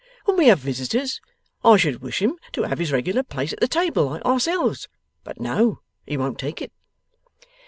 When we have visitors, I should wish him to have his regular place at the table like ourselves; but no, he won't take it.